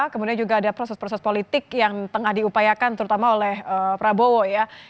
kemudian juga ada proses proses politik yang tengah diupayakan terutama oleh prabowo ya